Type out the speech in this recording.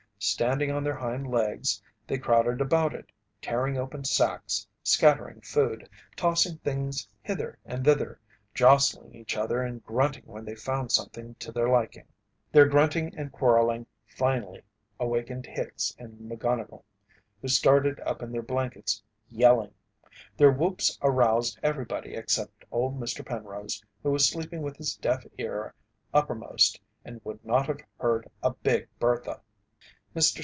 Standing on their hind legs, they crowded about it, tearing open sacks, scattering food, tossing things hither and thither, jostling each other and grunting when they found something to their liking. Their grunting and quarrelling finally awakened Hicks and McGonnigle, who started up in their blankets, yelling. Their whoops aroused everybody except old Mr. Penrose, who was sleeping with his deaf ear uppermost and would not have heard a Big Bertha. Mr.